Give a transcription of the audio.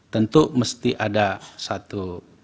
tentu mesti ada satu